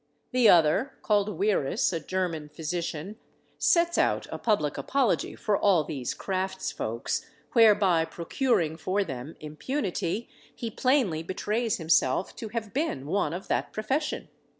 The other, called Wierus, a German physician, sets out a public apology for all these crafts folks, whereby procuring for them impunity, he plainly betrays himself to have been one of that profession."